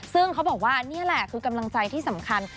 ซึ่งเขาบอกว่านี่แหละคือกำลังใจที่สำคัญ